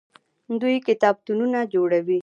دوی کتابتونونه جوړوي.